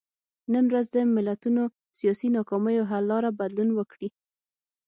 نن ورځ د ملتونو سیاسي ناکامیو حل لاره بدلون وکړي.